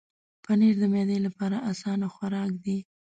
پنېر د معدې لپاره اسانه خوراک دی.